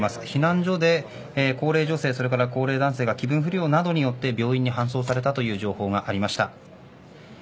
避難所で、高齢女性と高齢男性が気分不良などによって病院に搬送されたという情報がありました。